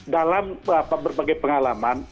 dalam berbagai pengalaman